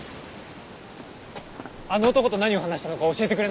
あの男と何を話したのか教えてくれないか？